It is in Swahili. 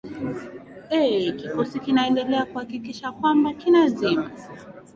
eeh kikosi kinaendelea kuakikisha kwamba kinazima